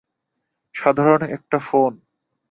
সাধারণ একটা ফোন!